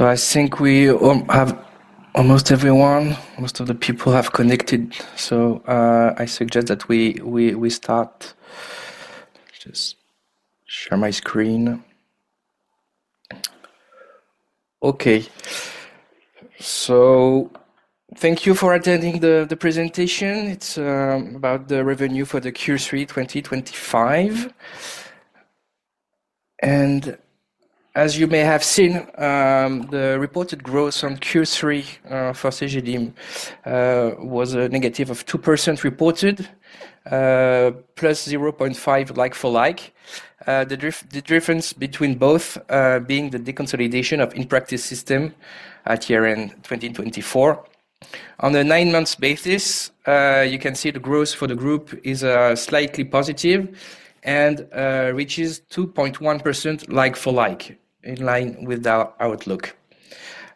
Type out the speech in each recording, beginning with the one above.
I think we have almost everyone, most of the people have connected. I suggest that we start. Just share my screen. Okay. Thank you for attending the presentation. It's about the revenue for Q3 2025. As you may have seen, the reported growth on Q3 for Cegedim was a negative of 2% reported, +0.5% like for like. The difference between both being the deconsolidation of in-practice system at year end 2024. On a nine-month basis, you can see the growth for the group is slightly positive and reaches 2.1% like-for-like, in line with our outlook.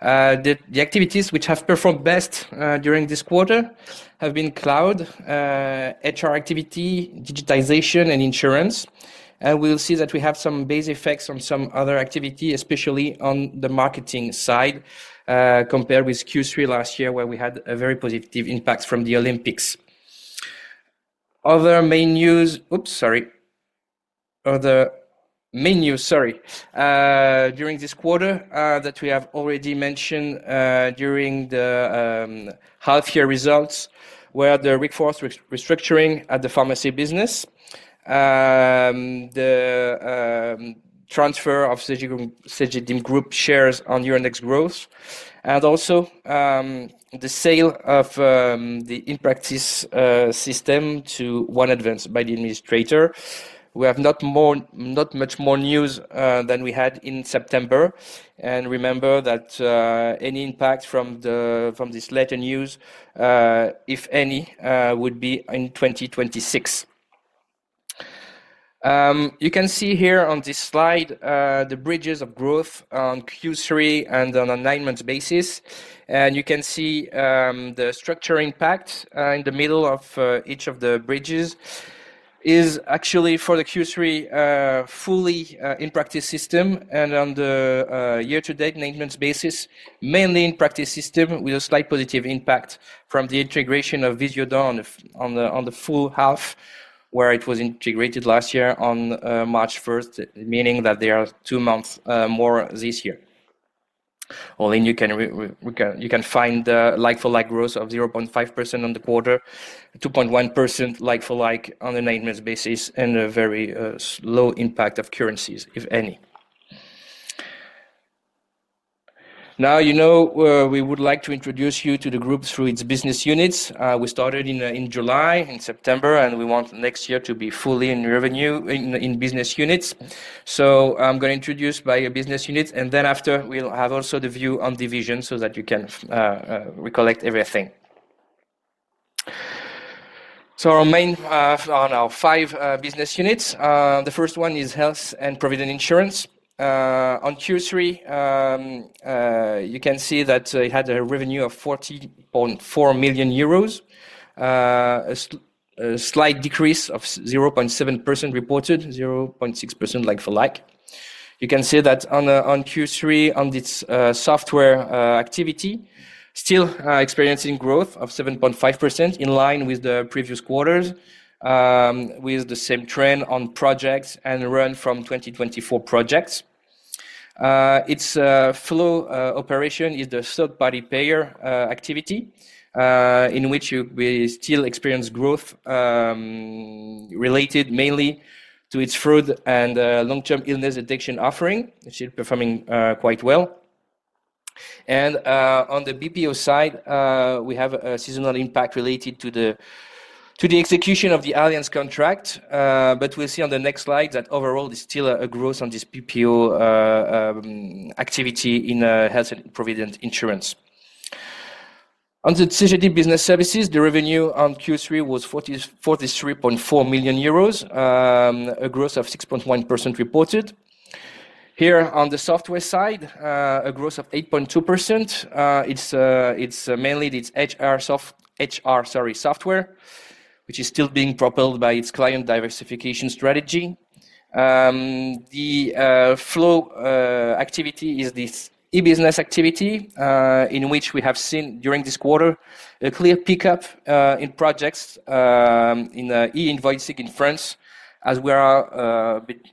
The activities which have performed best during this quarter have been cloud, HR software activity, digitization, and insurance. We will see that we have some base effects on some other activity, especially on the marketing side, compared with Q3 last year, where we had a very positive impact from the Olympics. Other main news during this quarter that we have already mentioned during the half-year results were the workforce restructuring at the pharmacy business, the transfer of Cegedim Group shares on Euronext Growth, and also the sale of the in-practice system to One Advanced by the administrator. We have not much more news than we had in September. Remember that any impact from this latter news, if any, would be in 2026. You can see here on this slide the bridges of growth on Q3 and on a nine-month basis. You can see the structure impact in the middle of each of the bridges is actually for the Q3 fully in-practice system. On the year-to-date nine-month basis, mainly in-practice system with a slight positive impact from the integration of Visiodent on the full half, where it was integrated last year on March 1st, meaning that there are two months more this year. Then you can find the like-for-like growth of 0.5% on the quarter, 2.1% like-for-like on a nine-month basis, and a very low impact of currencies, if any. Now, you know, we would like to introduce you to the group through its business units. We started in July, in September, and we want next year to be fully in revenue in business units. I'm going to introduce by business units, and then after, we'll have also the view on division so that you can recollect everything. Our main on our five business units, the first one is health and provident insurance. On Q3, you can see that it had a revenue of 40.4 million euros, a slight decrease of 0.7% reported, 0.6% like-for-like. You can see that on Q3, on its software activity, still experiencing growth of 7.5% in line with the previous quarters, with the same trend on projects and run from 2024 projects. Its flow operation is the third-party payer activity, in which we still experience growth related mainly to its fraud and long-term illness detection offering. It's still performing quite well. On the BPO side, we have a seasonal impact related to the execution of the Allianz contract. We'll see on the next slide that overall, there's still a growth on this BPO activity in health and provident insurance. On the Cegedim business services, the revenue on Q3 was 43.4 million euros, a growth of 6.1% reported. Here on the software side, a growth of 8.2%. It's mainly its HR software, which is still being propelled by its client diversification strategy. The flow activity is this e-business activity, in which we have seen during this quarter a clear pickup in projects in e-invoicing in France, as we are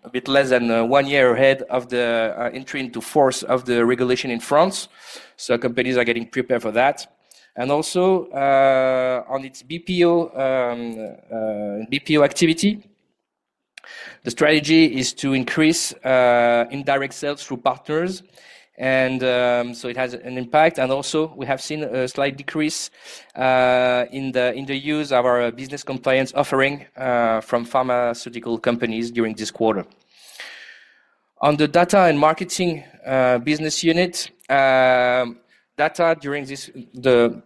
a bit less than one year ahead of the entry into force of the regulation in France. Companies are getting prepared for that. Also, on its BPO activity, the strategy is to increase indirect sales through partners, and it has an impact. We have seen a slight decrease in the use of our business compliance offering from pharmaceutical companies during this quarter. On the data and marketing business unit, data during the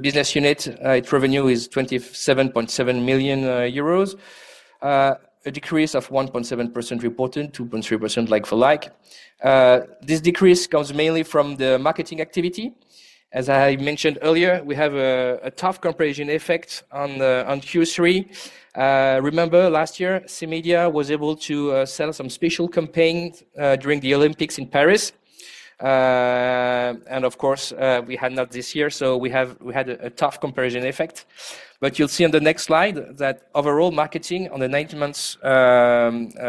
business unit, its revenue is 27.7 million euros, a decrease of 1.7% reported, 2.3% like-for-like. This decrease comes mainly from the marketing activity. As I mentioned earlier, we have a tough comparison effect on Q3. Remember last year, C-Media was able to sell some special campaigns during the Olympics in Paris. Of course, we had not this year, so we had a tough comparison effect. You'll see on the next slide that overall marketing on the nine-month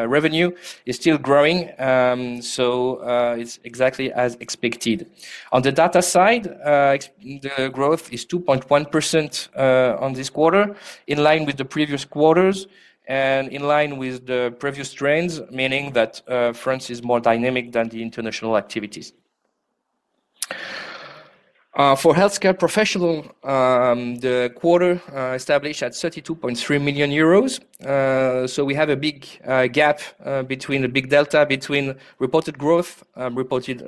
revenue is still growing. It's exactly as expected. On the data side, the growth is 2.1% on this quarter, in line with the previous quarters and in line with the previous trends, meaning that France is more dynamic than the international activities. For healthcare professional, the quarter established at 32.3 million euros. We have a big gap between a big delta between reported growth, reported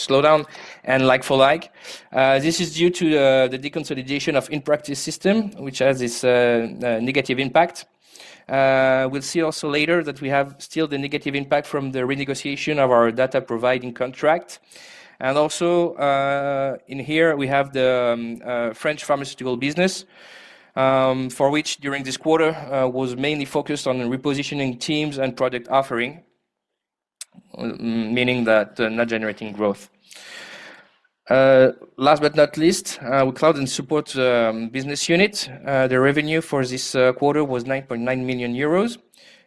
slowdown, and like-for-like. This is due to the deconsolidation of in-practice system, which has this negative impact. We'll see also later that we have still the negative impact from the renegotiation of our data providing contract. Also in here, we have the French pharmaceutical business, for which during this quarter was mainly focused on repositioning teams and product offering, meaning that not generating growth. Last but not least, with cloud and support business unit, the revenue for this quarter was 9.9 million euros.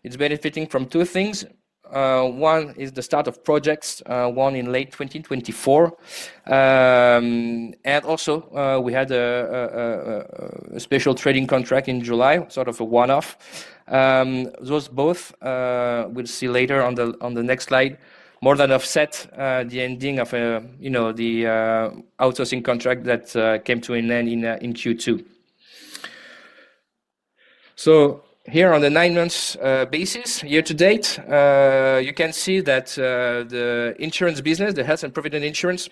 It's benefiting from two things. One is the start of projects, one in late 2024. Also we had a special trading contract in July, sort of a one-off. Those both, we'll see later on the next slide, more than offset the ending of the outsourcing contract that came to an end in Q2. Here on the nine-month basis, year-to-date, you can see that the insurance business, the health and provident insurance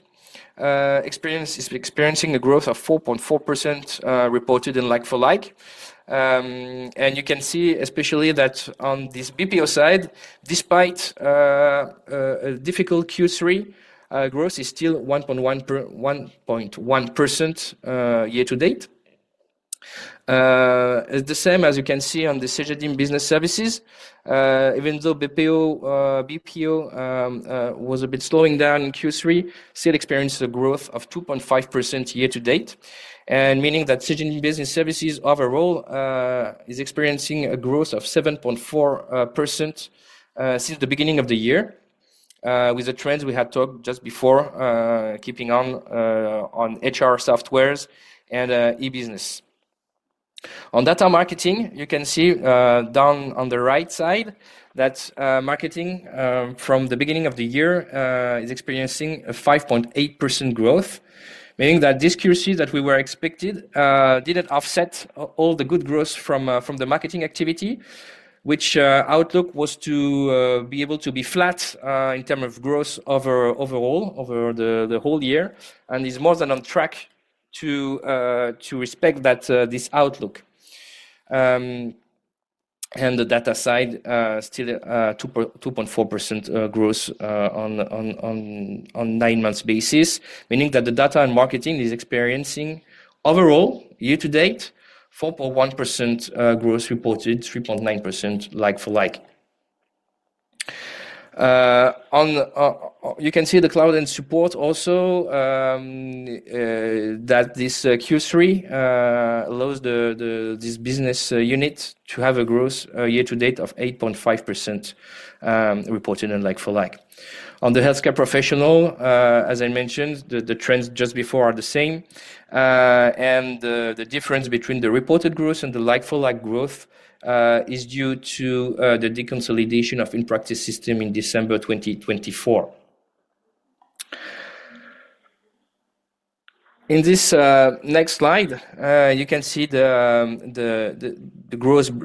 experience is experiencing a growth of 4.4% reported in like for like. You can see especially that on this BPO side, despite a difficult Q3, growth is still 1.1% year-to-date. The same as you can see on the Cegedim Business Services, even though BPO was a bit slowing down in Q3, still experienced a growth of 2.5% year-to-date, meaning that Cegedim Business Services overall is experiencing a growth of 7.4% since the beginning of the year, with the trends we had talked just before, keeping on on HR software and e-business. On data marketing, you can see down on the right side that marketing from the beginning of the year is experiencing a 5.8% growth, meaning that this Q3 that we were expected didn't offset all the good growth from the marketing activity, which outlook was to be able to be flat in terms of growth overall over the whole year. It is more than on track to respect this outlook. The data side, still 2.4% growth on a nine-month basis, meaning that the data and marketing is experiencing overall year-to-date 4.1% growth reported, 3.9% like-for-like. You can see the cloud and support also that this Q3 allows this business unit to have a growth year-to-date of 8.5% reported in like-for-like. On the healthcare professional, as I mentioned, the trends just before are the same. The difference between the reported growth and the like-for-like growth is due to the deconsolidation of in-practice system in December 2024. In this next slide, you can see the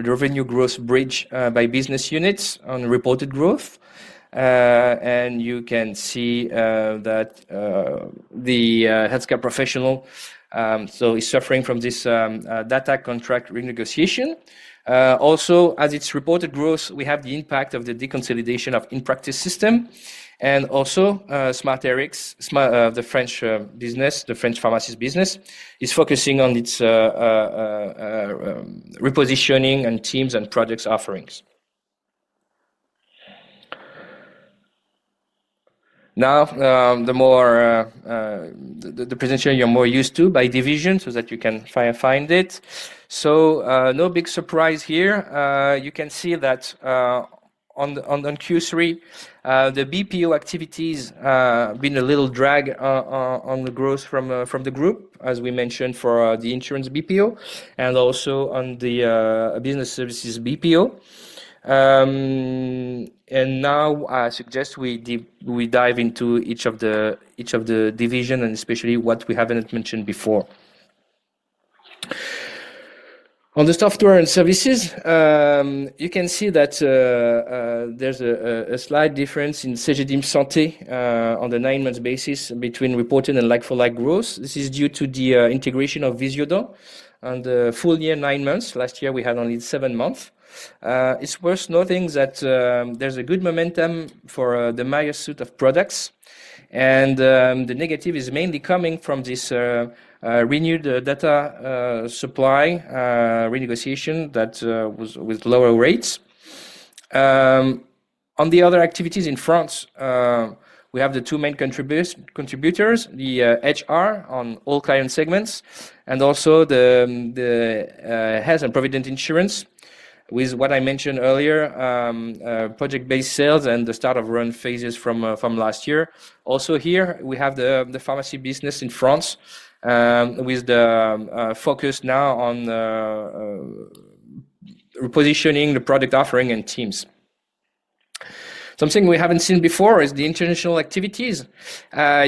revenue growth bridge by business units on reported growth. You can see that the healthcare professional is suffering from this data contract renegotiation. Also, as it's reported growth, we have the impact of the deconsolidation of in-practice system. Also, Smart Rx, the French business, the French pharmacy business, is focusing on its repositioning and teams and product offerings. Now, the presentation you're more used to is by division so that you can find it. No big surprise here. You can see that in Q3, the BPO activities have been a little drag on the growth from the group, as we mentioned for the insurance BPO and also on the business services BPO. I suggest we dive into each of the divisions and especially what we haven't mentioned before. On the software and services, you can see that there's a slight difference in Cegedim Santé on the nine-month basis between reported and like-for-like growth. This is due to the integration of Visiodent on the full year nine months. Last year, we had only seven months. It's worth noting that there's a good momentum for the Maya suite of products. The negative is mainly coming from this renewed data supply renegotiation that was with lower rates. On the other activities in France, we have the two main contributors, the HR software on all client segments and also the health and provident insurance, with what I mentioned earlier, project-based sales and the start of run phases from last year. Also here, we have the pharmacy business in France with the focus now on repositioning the product offering and teams. Something we haven't seen before is the international activities.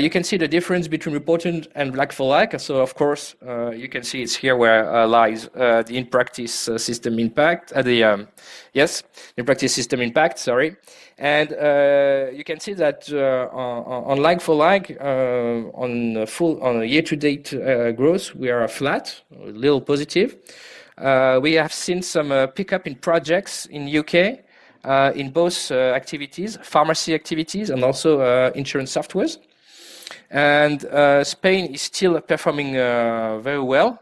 You can see the difference between reported and like-for-like. Of course, you can see it's here where lies the in-practice system impact. Yes, in-practice system impact, sorry. You can see that on like-for-like, on a year-to-date growth, we are flat, a little positive. We have seen some pickup in projects in the U.K. in both activities, pharmacy activities, and also insurance softwares. Spain is still performing very well.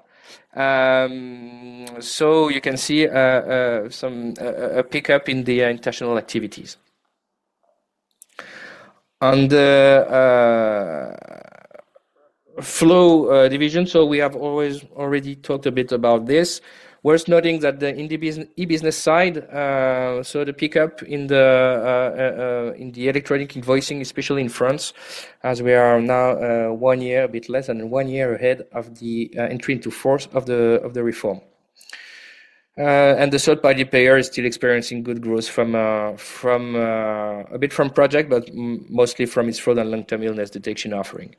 You can see a pickup in the international activities. On the flow division, we have already talked a bit about this. Worth noting that on the e-business side, there is a pickup in the electronic invoicing, especially in France, as we are now a bit less than one year ahead of the entry into force of the reform. The third-party payer is still experiencing good growth from a bit from project, but mostly from its fraud and long-term illness detection offering.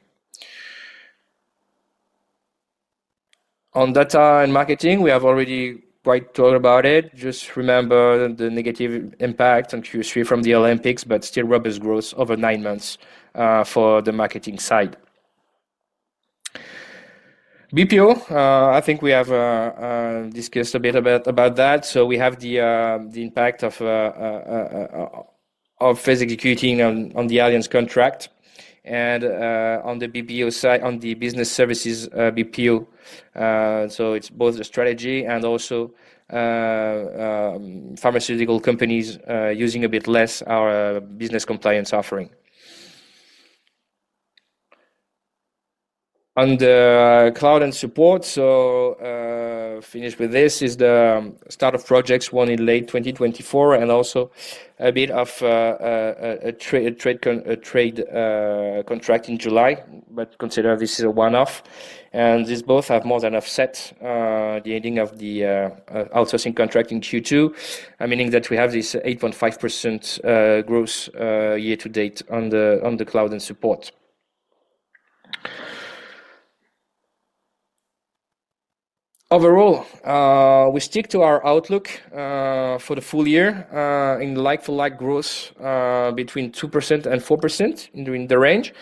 On data and marketing, we have already quite talked about it. Just remember the negative impact on Q3 from the Olympics, but still robust growth over nine months for the marketing side. BPO, I think we have discussed a bit about that. We have the impact of phase executing on the Allianz contract. On the business services BPO, it is both the strategy and also pharmaceutical companies using a bit less our business compliance offering. On the cloud and support, to finish with this, is the start of projects won in late 2024 and also a bit of a trade contract in July, but consider this is a one-off. These both have more than offset the ending of the outsourcing contract in Q2, meaning that we have this 8.5% growth year-to-date on the cloud and support. Overall, we stick to our outlook for the full year in the like-for-like growth between 2% and 4% in the range.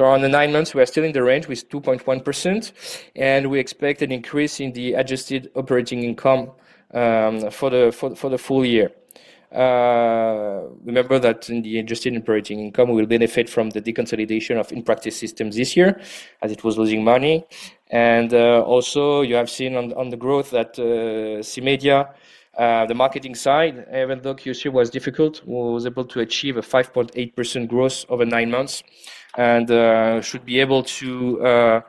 On the nine months, we are still in the range with 2.1%. We expect an increase in the adjusted operating income for the full year. Remember that in the adjusted operating income, we will benefit from the deconsolidation of in-practice system this year as it was losing money. Also, you have seen on the growth that C-Media, the marketing side, even though Q3 was difficult, was able to achieve a 5.8% growth over nine months and should be able to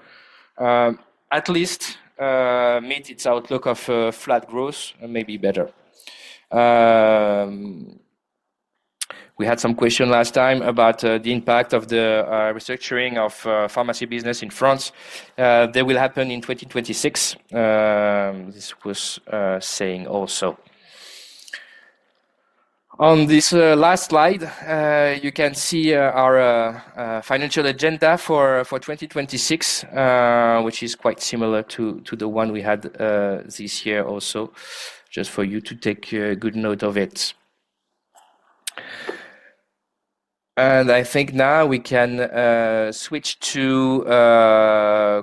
at least meet its outlook of flat growth, maybe better. We had some questions last time about the impact of the restructuring of pharmacy business in France. They will happen in 2026, this was saying also. On this last slide, you can see our financial agenda for 2026, which is quite similar to the one we had this year also, just for you to take a good note of it. I think now we can switch to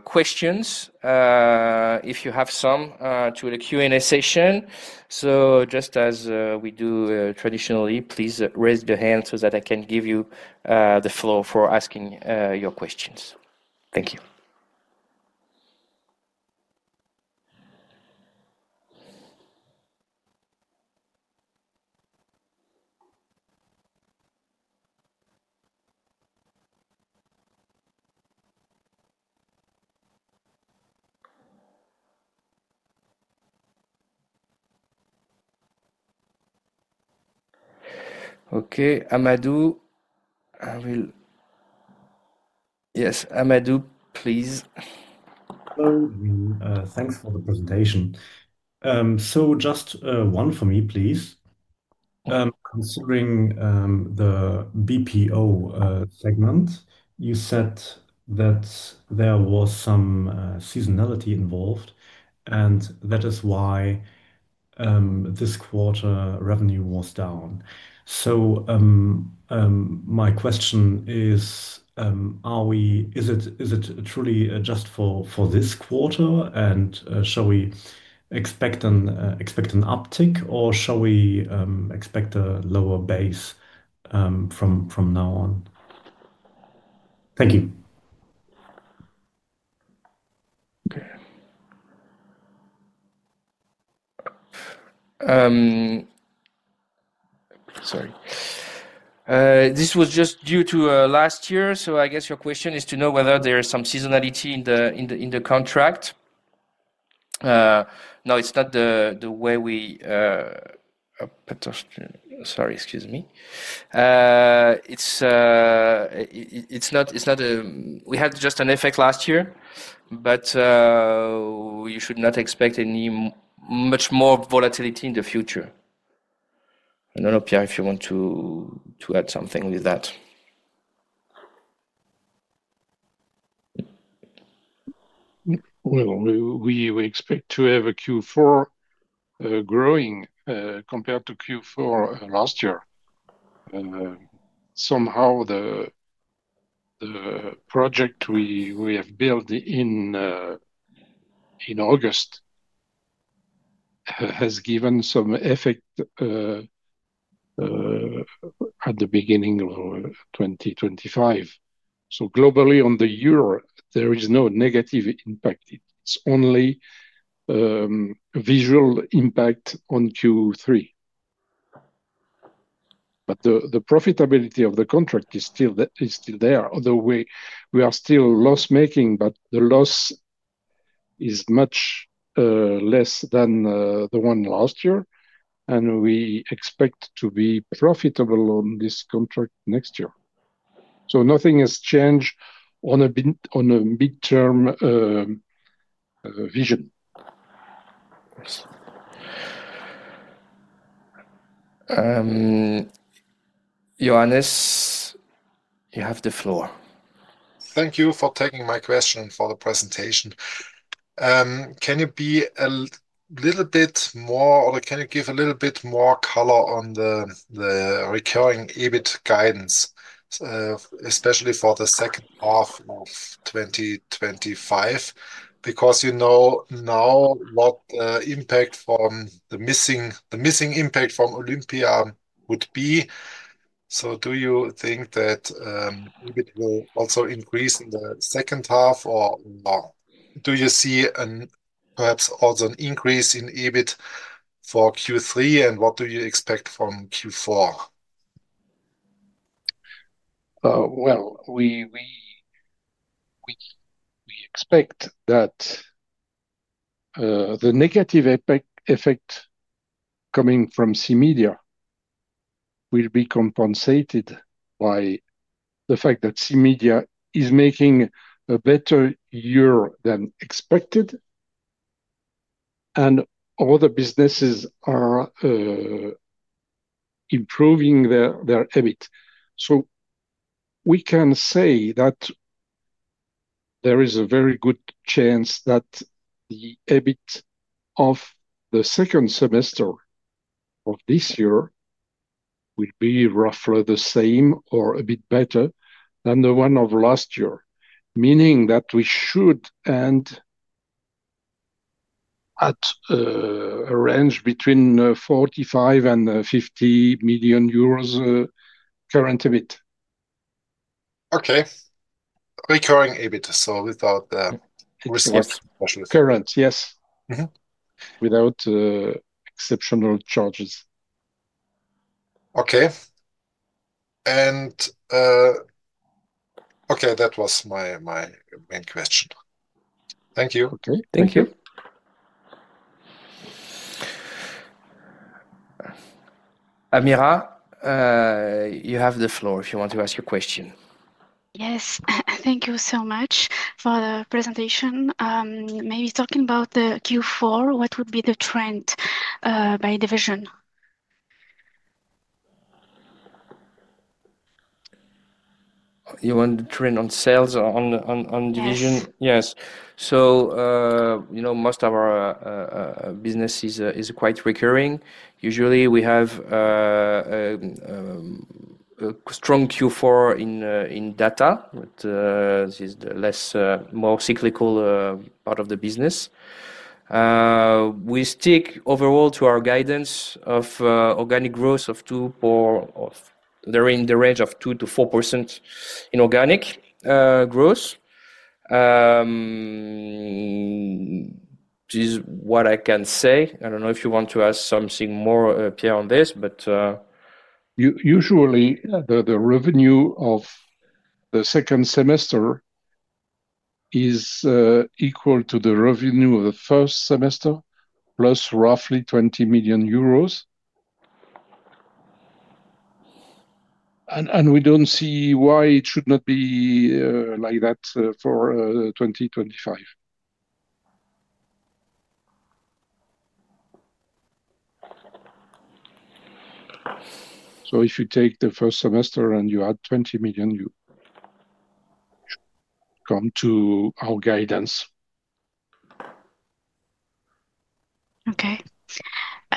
questions, if you have some, to the Q&A session. Just as we do traditionally, please raise your hand so that I can give you the floor for asking your questions. Thank you. Okay. Amadou, yes, Amadou, please. Thanks for the presentation. Just one for me, please. Considering the BPO segment, you said that there was some seasonality involved, and that is why this quarter revenue was down. My question is, is it truly just for this quarter, and shall we expect an uptick, or shall we expect a lower base from now on? Thank you. Okay. Sorry, this was just due to last year. I guess your question is to know whether there is some seasonality in the contract. No, it's not the way we, sorry, excuse me, we had just an effect last year, but you should not expect any much more volatility in the future. I don't know, Pierre, if you want to add something with that. We expect to have a Q4 growing compared to Q4 last year. Somehow, the project we have built in August has given some effect at the beginning of 2025. Globally, on the year, there is no negative impact. It's only a visual impact on Q3. The profitability of the contract is still there, although we are still loss-making, but the loss is much less than the one last year. We expect to be profitable on this contract next year. Nothing has changed on a midterm vision. Johannes, you have the floor. Thank you for taking my question for the presentation. Can you be a little bit more, or can you give a little bit more color on the recurring EBIT guidance, especially for the second half of 2025? Because you know now what the missing impact from Olympia would be. Do you think that EBIT will also increase in the second half, or do you see perhaps also an increase in EBIT for Q3, and what do you expect from Q4? We expect that the negative effect coming from C-Media will be compensated by the fact that C-Media is making a better year than expected, and all the businesses are improving their EBIT. We can say that there is a very good chance that the EBIT of the second semester of this year will be roughly the same or a bit better than the one of last year, meaning that we should end at a range between 45 million and 50 million euros current EBIT. Okay. Recurring EBIT, without the risk of specialists. Current, yes, without exceptional charges. Okay. That was my main question. Thank you. Okay, thank you. Amira, you have the floor if you want to ask your question. Yes. Thank you so much for the presentation. Maybe talking about the Q4, what would be the trend by division? You want the trend on sales or on division? Yes. You know most of our business is quite recurring. Usually, we have a strong Q4 in data, which is the less more cyclical part of the business. We stick overall to our guidance of organic growth of 2% or there in the range of 2%-4% in organic growth. This is what I can say. I don't know if you want to ask something more, Pierre, on this. Usually, the revenue of the second semester is equal to the revenue of the first semester, plus roughly EUR 20 million. We don't see why it should not be like that for 2025. If you take the first semester and you add 20 million, you come to our guidance. Okay.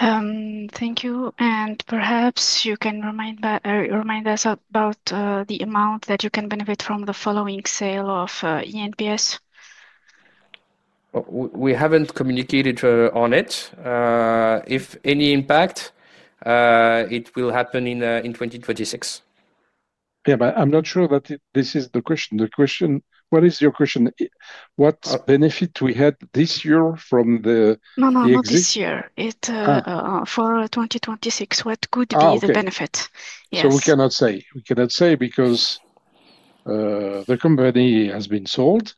Thank you. Perhaps you can remind us about the amount that you can benefit from the following sale of ENPS. We haven't communicated on it. If any impact, it will happen in 2026. I'm not sure that this is the question. What is your question? What benefit we had this year from the exit? No, no, not this year. For 2026, what could be the benefit? We cannot say because the company has been sold.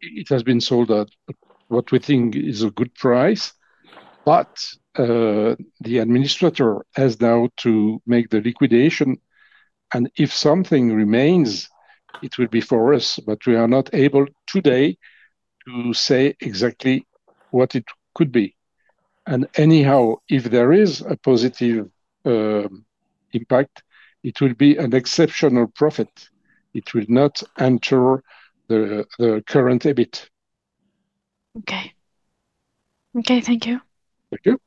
It has been sold at what we think is a good price. The administrator has now to make the liquidation, and if something remains, it will be for us. We are not able today to say exactly what it could be. If there is a positive impact, it will be an exceptional profit. It will not enter the current EBIT. Okay. Okay. Thank you. Thank you.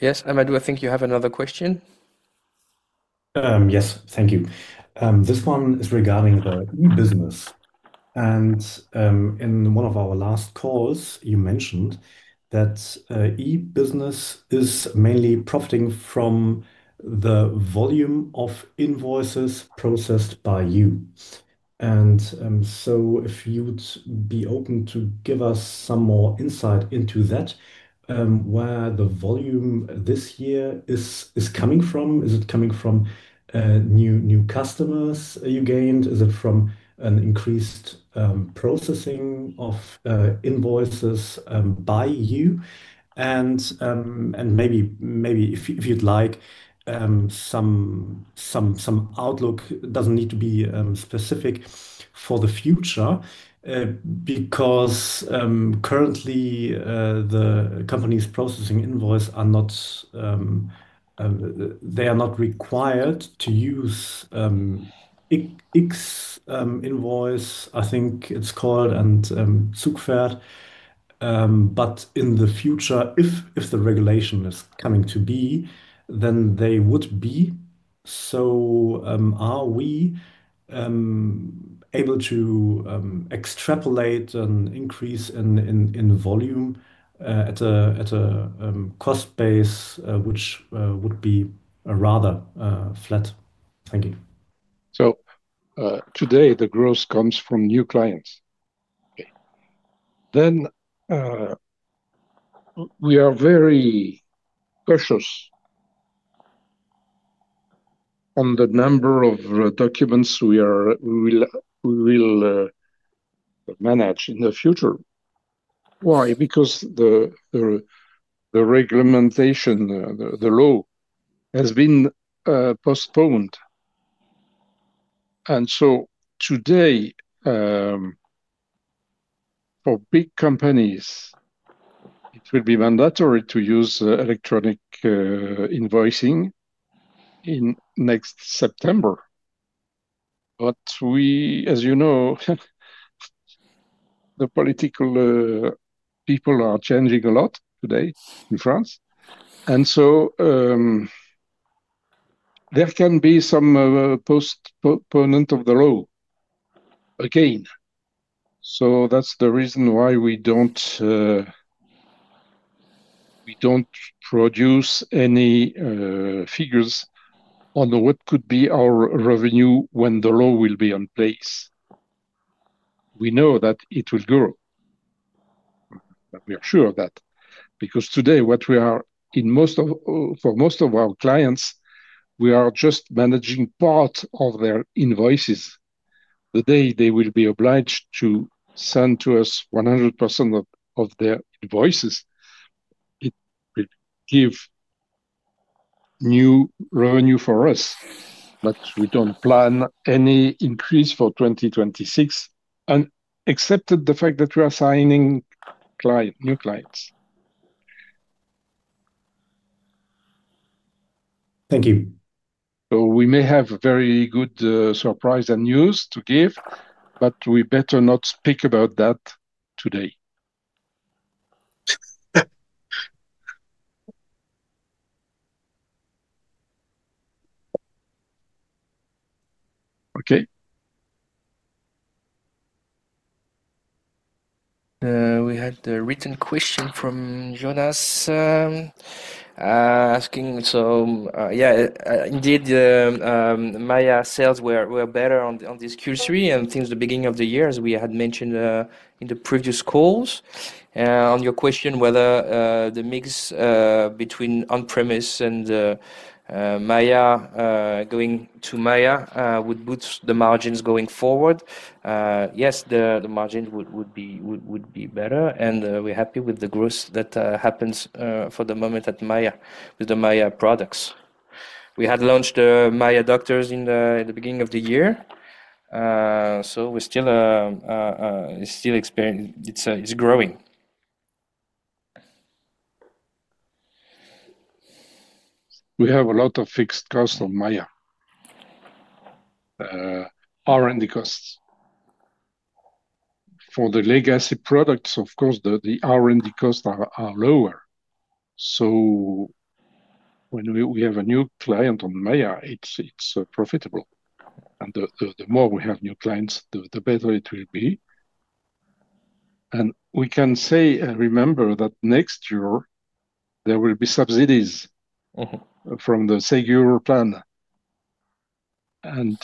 Yes, Amadou, I think you have another question. Yes. Thank you. This one is regarding the e-business. In one of our last calls, you mentioned that e-business is mainly profiting from the volume of invoices processed by you. If you'd be open to give us some more insight into that, where the volume this year is coming from. Is it coming from new customers you gained? Is it from an increased processing of invoices by you? Maybe if you'd like, some outlook doesn't need to be specific for the future because currently, the companies processing invoices are not required to use X-Invoice, I think it's called, and ZUGFeRD. In the future, if the regulation is coming to be, then they would be. Are we able to extrapolate an increase in volume at a cost base which would be rather flat? Thank you. Today, the growth comes from new clients. We are very cautious on the number of documents we will manage in the future. Why? Because the regulation, the law has been postponed. For big companies, it will be mandatory to use electronic invoicing next September. As you know, the political people are changing a lot today in France, and there can be some postponement of the law again. That's the reason why we don't produce any figures on what could be our revenue when the law will be in place. We know that it will grow. We are sure of that because today, for most of our clients, we are just managing part of their invoices. The day they will be obliged to send to us 100% of their invoices, it will give new revenue for us. We don't plan any increase for 2026, except the fact that we are signing new clients. Thank you. We may have very good surprise and news to give, but we better not speak about that today. Okay. We had a written question from Jonas asking. Yes, indeed, Maya sales were better on this Q3 and since the beginning of the year, as we had mentioned in the previous calls. On your question whether the mix between On-Premise and Maya going to Maya would boost the margins going forward, yes, the margins would be better. We're happy with the growth that happens for the moment at Maya with the Maya products. We had launched the Maya Doctors in the beginning of the year. We're still experiencing it's growing. We have a lot of fixed costs on Maya, R&D costs. For the legacy products, of course, the R&D costs are lower. When we have a new client on Maya, it's profitable. The more we have new clients, the better it will be. We can say and remember that next year, there will be subsidies from the SEGURE plan. That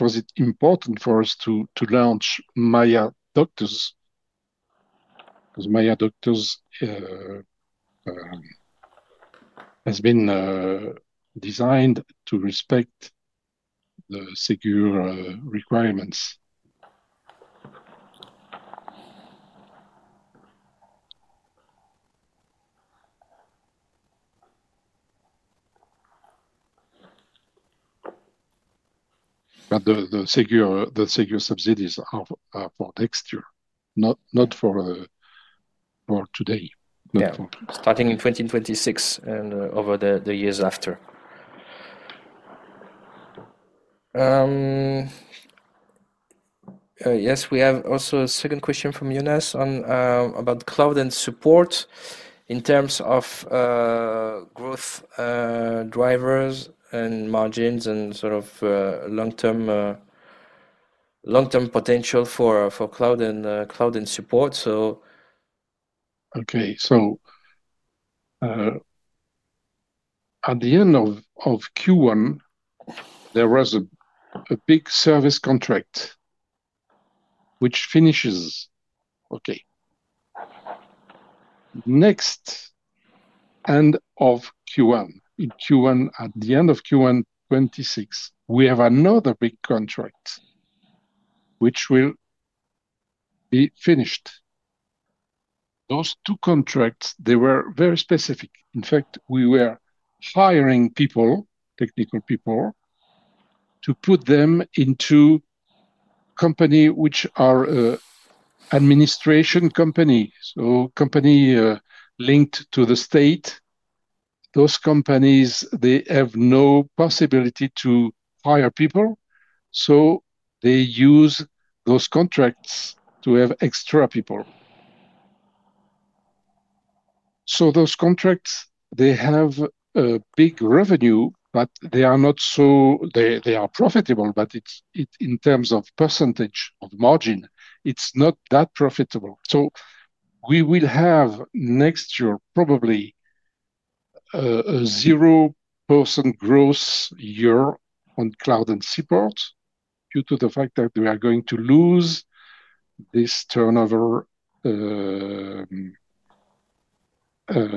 was important for us to launch Maya Doctors because Maya Doctors has been designed to respect the SEGURE requirements. The SEGURE subsidies are for next year, not for today. Yeah, starting in 2026 and over the years after. Yes, we have also a second question from Jonas about cloud and support in terms of growth drivers and margins, and sort of long-term potential for cloud and cloud and support. Okay. At the end of Q1, there was a big service contract which finishes. Next, at the end of Q1 2026, we have another big contract which will be finished. Those two contracts, they were very specific. In fact, we were hiring people, technical people, to put them into companies which are administration companies, so companies linked to the state. Those companies, they have no possibility to hire people. They use those contracts to have extra people. Those contracts, they have a big revenue, but they are profitable, but in terms of percentage of margin, it's not that profitable. We will have next year probably a 0% growth year on cloud and support due to the fact that we are going to lose this turnover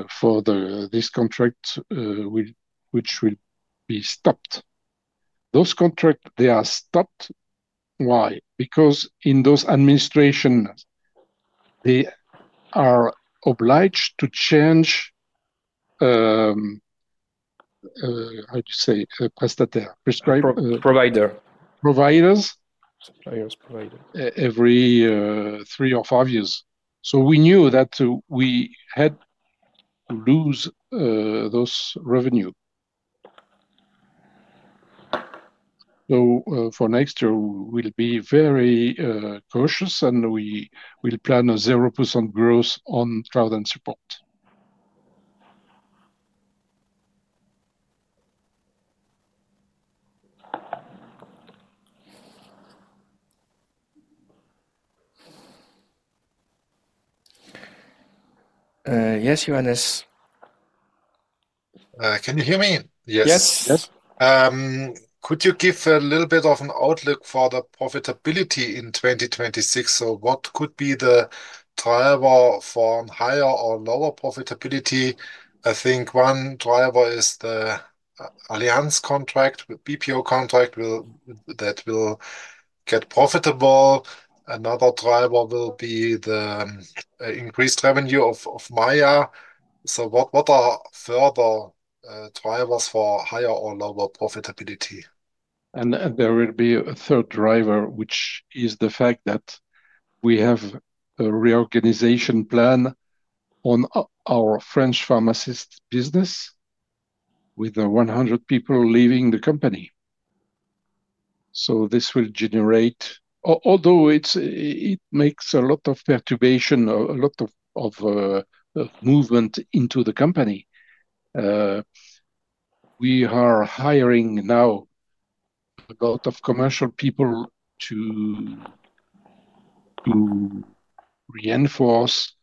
for this contract which will be stopped. Those contracts, they are stopped. Why? Because in those administrations, they are obliged to change, how do you say, prestataire? Provider. Providers. Suppliers, provider. Every three or five years. We knew that we had to lose those revenues. For next year, we will be very cautious and we will plan a 0% growth on cloud and support. Yes, Johannes. Can you hear me? Yes. Yes. Could you give a little bit of an outlook for the profitability in 2026? What could be the driver for higher or lower profitability? I think one driver is the Allianz contract, BPO contract that will get profitable. Another driver will be the increased revenue of Maya. What are further drivers for higher or lower profitability? There will be a third driver, which is the fact that we have a reorganization plan on our French pharmacy business with 100 people leaving the company. This will generate, although it makes a lot of perturbation, a lot of movement into the company. We are hiring now a lot of commercial people to reinforce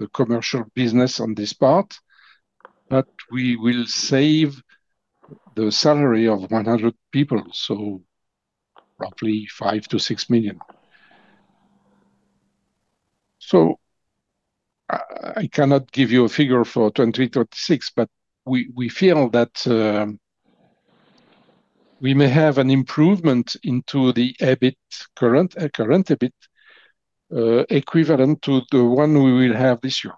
the commercial business on this part. We will save the salary of 100 people, so roughly EUR 5 million-EUR 6 million. I cannot give you a figure for 2026, but we feel that we may have an improvement into the EBIT, current EBIT equivalent to the one we will have this year,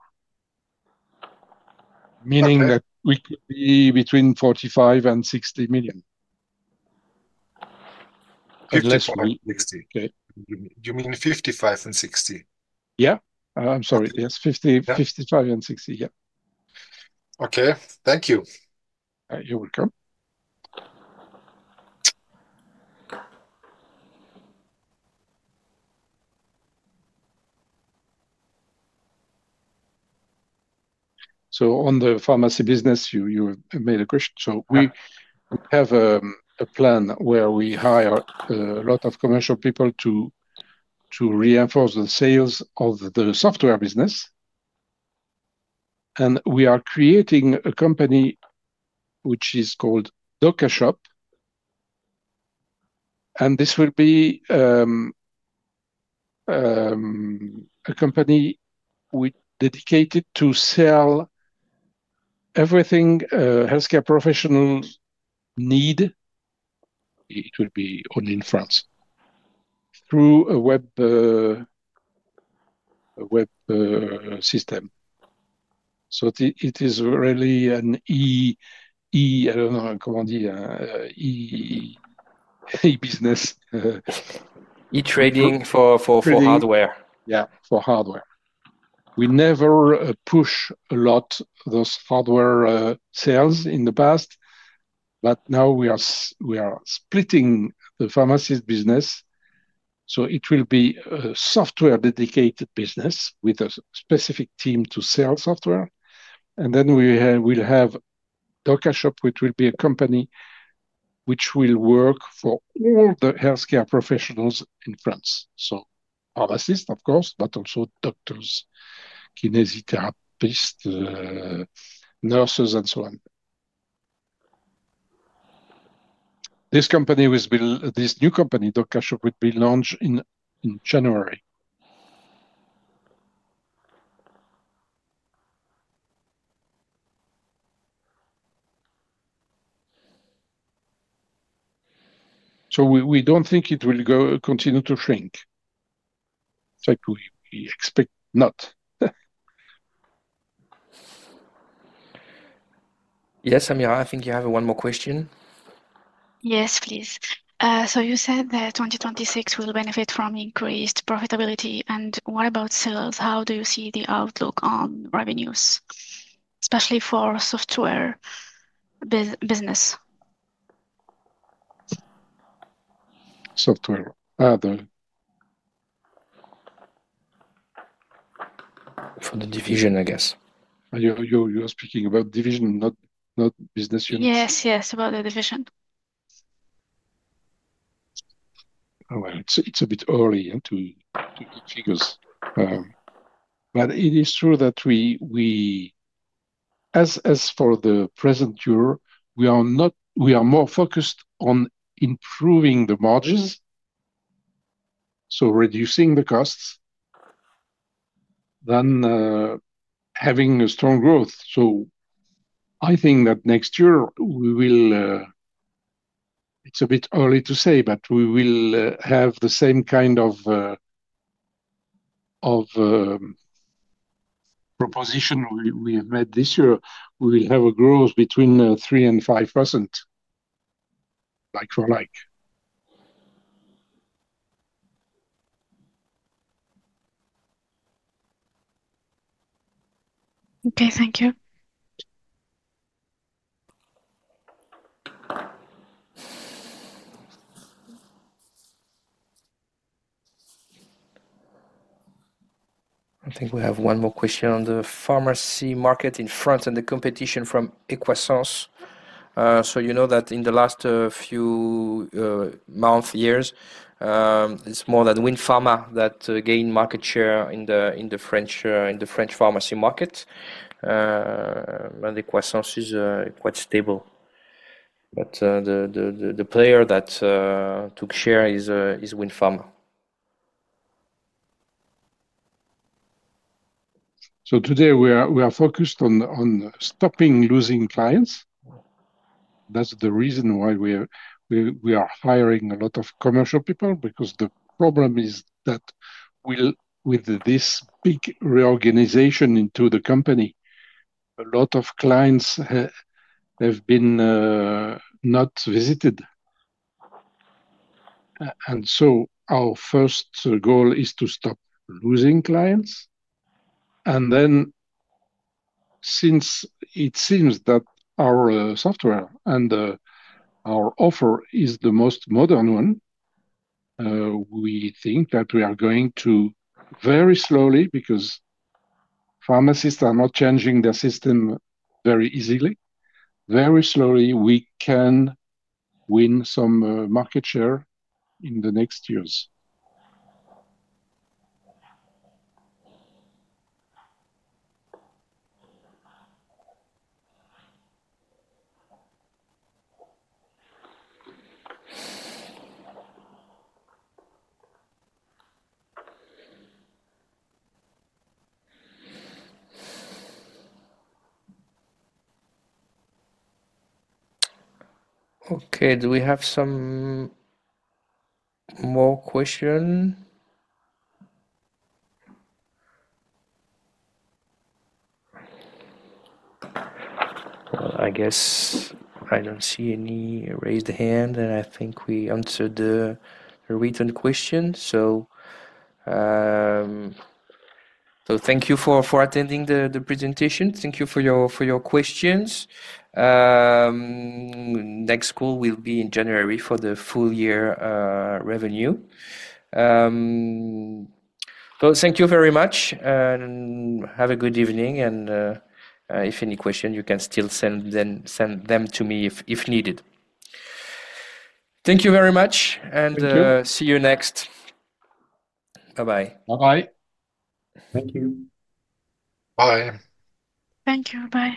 meaning that we could be between 45 million and 60 million. Unless you mean 50 million. You mean 55 million and 60 million? I'm sorry. Yes, 55 million, and 60 million, yeah. Okay, thank you. You're welcome. On the pharmacy business, you made a question. We have a plan where we hire a lot of commercial people to reinforce the sales of the software business. We are creating a company which is called DokaShop. This will be a company dedicated to sell everything healthcare professionals need. It will be only in France through a web system. It is really an e-business. E-trading for hardware. Yeah, for hardware. We never push a lot those hardware sales in the past. Now we are splitting the pharmacy business. It will be a software-dedicated business with a specific team to sell software. We will have DokaShop, which will be a company that will work for all the healthcare professionals in France. Pharmacists, of course, but also doctors, kinesiotherapists, nurses, and so on. This new company, DokaShop, will be launched in January. We don't think it will continue to shrink. In fact, we expect not. Yes, Amira, I think you have one more question. Yes, please. You said that 2026 will benefit from increased profitability. What about sales? How do you see the outlook on revenues, especially for software business? Software, are they. For the division, I guess. You're speaking about division, not business units? Yes, yes, about the division. Oh, it's a bit early to give figures. It is true that we, as for the present year, are more focused on improving the margins, so reducing the costs than having a strong growth. I think that next year, it's a bit early to say, but we will have the same kind of proposition we have made this year. We will have a growth between 3% and 5% like for like. Okay, thank you. I think we have one more question on the pharmacy market in France and the competition from Equasens. You know that in the last few months, years, it's more than Winpharma that gained market share in the French pharmacy market. Equasens is quite stable. The player that took share is Winpharma. Today, we are focused on stopping losing clients. That's the reason why we are hiring a lot of commercial people, because the problem is that with this big reorganization into the company, a lot of clients have been not visited. Our first goal is to stop losing clients. Since it seems that our software and our offer is the most modern one, we think that we are going to very slowly, because pharmacists are not changing their system very easily. Very slowly, we can win some market share in the next years. Okay. Do we have some more questions? I guess I don't see any raised hand, and I think we answered the written question. Thank you for attending the presentation. Thank you for your questions. Next call will be in January for the full year revenue. Thank you very much, and have a good evening. If any questions, you can still send them to me if needed. Thank you very much, and see you next. Bye-bye. Bye-bye. Thank you. Bye. Thank you.